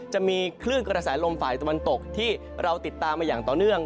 จะมีคลื่นกระแสลมฝ่ายตะวันตกที่เราติดตามมาอย่างต่อเนื่อง